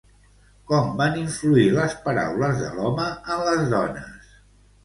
Com van influir les paraules de l'home en les dones?